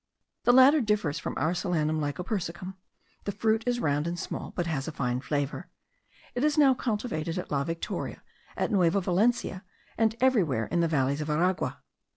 The latter differs from our Solanum lycopersicum; the fruit is round and small, but has a fine flavour; it is now cultivated at La Victoria, at Nueva Valencia, and everywhere in the valleys of Aragua.